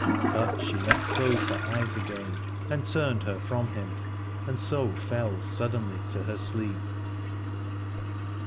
But she let close her eyes again and turned her from him and so fell suddenly to her sleep.